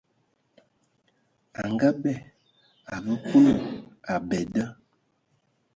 A ngaabɛ, a vǝǝ Kulu abɛ da.